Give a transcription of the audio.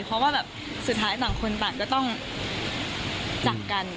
เพราะว่าแบบสุดท้ายต่างคนต่างก็ต้องจากกัน